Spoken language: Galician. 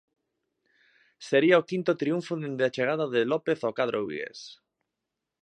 Sería o quinto triunfo dende a chegada de López ao cadro vigués.